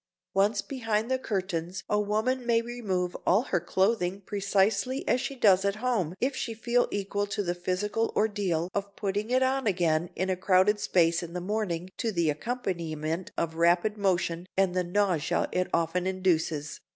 Once behind the curtains a woman may remove all her clothing precisely as she does at home if she feel equal to the physical ordeal of putting it on again in a crowded space in the morning to the accompaniment of rapid motion and the nausea it often induces.